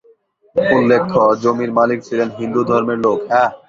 উল্লেখ্য, জমির মালিক ছিলেন হিন্দু ধর্মের লোক।